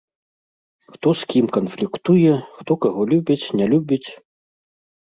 Хто з кім канфліктуе, хто каго любіць, не любіць.